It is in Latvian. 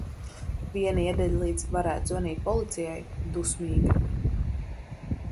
Viena iedaļa līdz "varētu zvanīt policijai" dusmīga.